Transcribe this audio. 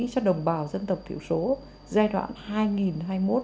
cho đồng bào dân tộc thiểu số giai đoạn hai nghìn hai mươi một hai nghìn ba mươi